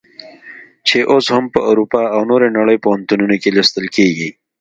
چې اوس هم په اروپا او نورې نړۍ پوهنتونونو کې لوستل کیږي.